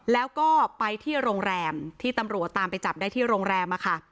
แล้วก็ไปที่โรงแรมที่ตำรวจตามไปจับได้ที่โรงแรม